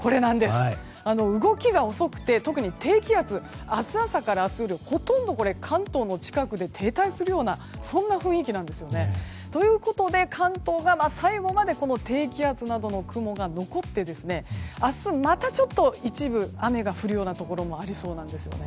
動きが遅くて特に低気圧明日朝から明日夜ほとんど関東の近くで停滞するようなそんな雰囲気なんですよね。ということで関東が最後まで低気圧などの雲が残って明日、またちょっと一部雨が降るようなところもありそうなんですよね。